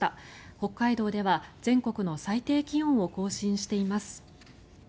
北海道では全国の最低気温を更新しています。